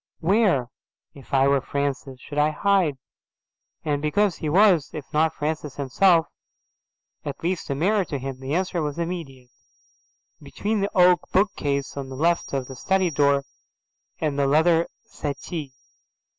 "Where, if I were Francis, should I hide?"' And because he was, if not Francis himself, at least a mirror to him, the answer was immediate. "Between the oak bookcase on the left of the study door, and the leather settee."